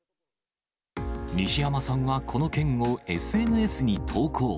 西山さんはこの件をＳＮＳに投稿。